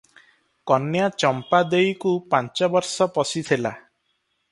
କନ୍ୟା ଚମ୍ପା ଦେଇକୁ ପାଞ୍ଚ ବର୍ଷ ପଶିଥିଲା ।